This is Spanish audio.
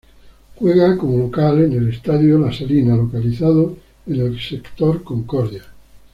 Juega como local en el estadio La Salina localizado en el sector Concordia.